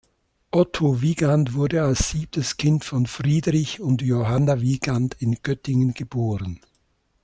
Otto Wigand wurde als siebtes Kind von Friedrich und Johanna Wigand in Göttingen geboren.